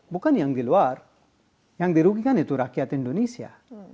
bukan yang di luar yang dirugikan itu rakyat indonesia